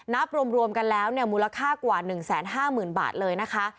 นับรวมกันแล้วเนี่ยมูลค่ากว่า๑๕๐๐๐บาทเลยนะคะ